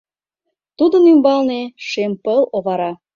Тудын ӱмбалне шем пыл овара.